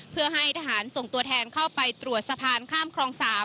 เพื่อให้ทหารส่งตัวแทนเข้าไปตรวจสะพานข้ามคลอง๓